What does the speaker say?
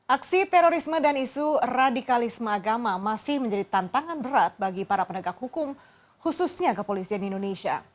aksi terorisme dan isu radikalisme agama masih menjadi tantangan berat bagi para penegak hukum khususnya kepolisian indonesia